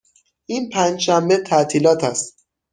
این پنج شنبه تعطیلات است.